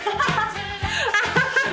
アハハハ！